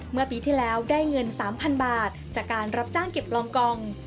เมื่อปีที่แล้วได้เงิน๓๐๐๐บาทจากการรับจ้างเก็บลองกอง